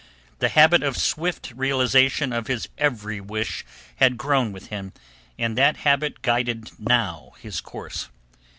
The habit of swift realization of his every wish had grown with him, and that habit guided now his course.